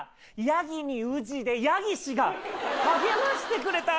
ヤギに氏でヤギ氏が励ましてくれた。